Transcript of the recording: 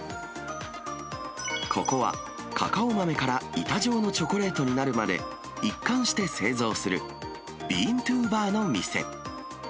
ここは、カカオ豆から板状のチョコレートになるまで、一貫して製造する、ビーントゥバーの店。